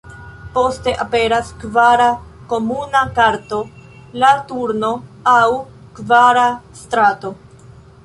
Poste, aperas kvara komuna karto, la turno aŭ 'kvara strato'.